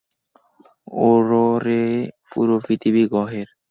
ওররে, পুরো পৃথিবী গ্রহের?